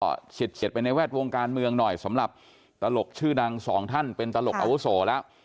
ก็เฉียดไปในแวดวงการเมืองหน่อยสำหรับตลกชื่อดังสองท่านเป็นตลกอาวุโสแล้ว